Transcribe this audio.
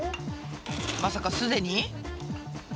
まさかすでに？